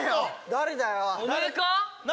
誰だよ。